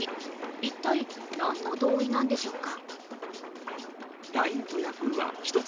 一体何の同意なんでしょうか？